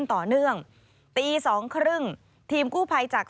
สวัสดีค่ะสวัสดีค่ะ